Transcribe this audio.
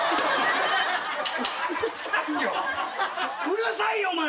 うるさいよお前。